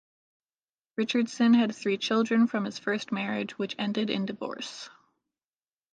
Richardson had three children from his first marriage, which ended in divorce.